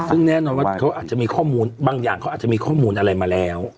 ซึ่งแน่นอนว่าเขาอาจจะมีข้อมูลบางอย่างเขาอาจจะมีข้อมูลอะไรมาแล้ว